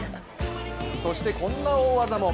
そして、こんな大技も。